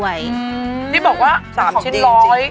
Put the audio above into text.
อืมที่บอกว่า๓ชิ้น๑๐๐ของอักษรลย